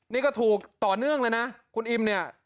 นี่ก็ถูกต่อเนื่องเลยนะคุณอิมเนี่ย